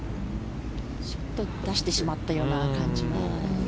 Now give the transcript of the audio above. ちょっと出してしまったような感じの。